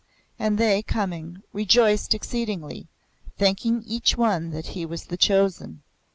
And they, coming, rejoiced exceedingly, thinking each one that he was the Chosen.